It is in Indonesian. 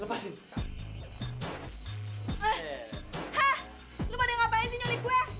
hah lo pada ngapain sih nyolik gue